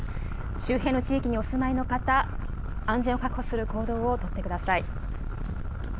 周辺の地域にお住まいの方、安全を確保する行動を取ってください。